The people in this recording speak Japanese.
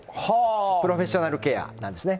プロフェッショナルケアなんですね。